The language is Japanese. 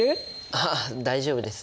あ大丈夫です。